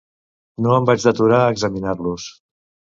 No em vaig deturar a examinar-los